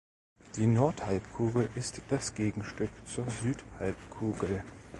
Die Nordhalbkugel ist das Gegenstück zur Südhalbkugel.